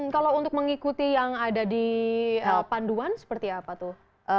kalau untuk mengikuti yang ada di panduan seperti apa tuh